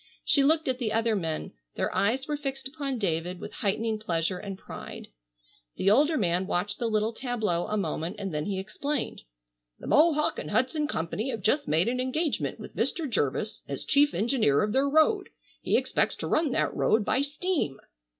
She looked at the other men. Their eyes were fixed upon David with heightening pleasure and pride. The older man watched the little tableau a moment and then he explained: "The Mohawk and Hudson Company have just made an engagement with Mr. Jervis as chief engineer of their road. He expects to run that road by steam!"